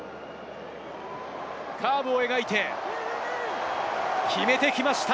カーブを描いて決めてきました！